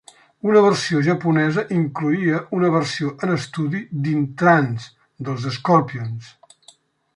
Una versió japonesa incloïa una versió en estudi d'"In Trance", dels Scorpions.